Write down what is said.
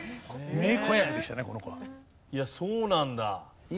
いやあそうなんだ。